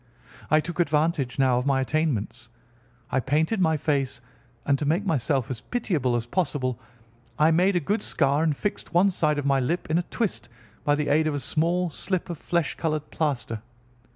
I took advantage now of my attainments. I painted my face, and to make myself as pitiable as possible I made a good scar and fixed one side of my lip in a twist by the aid of a small slip of flesh coloured plaster.